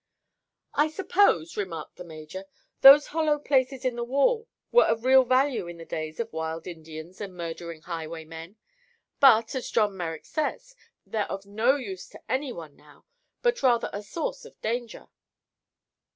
"I suppose," remarked the major, "those hollow places in the wall were of real value in the days of wild Indians and murdering highwaymen. But, as John Merrick says, they're of no use to anyone now, but rather a source of danger."